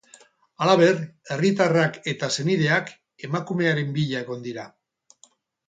Halaber, herritarrak eta senideak emakumearen bila egon dira.